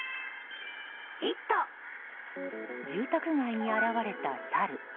住宅街に現れたサル。